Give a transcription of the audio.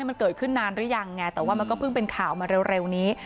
มันเกิดขึ้นนานหรือยังไงแต่ว่ามันก็เพิ่งเป็นข่าวมาเร็วนี้